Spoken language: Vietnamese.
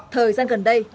thời gian gần đây